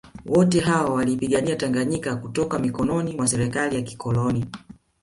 Wote hawa waliipigania Tanganyika kutoka mikononi mwa serikali ya kikoloni